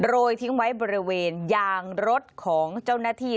ยทิ้งไว้บริเวณยางรถของเจ้าหน้าที่